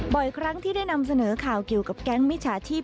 ครั้งที่ได้นำเสนอข่าวเกี่ยวกับแก๊งมิจฉาชีพ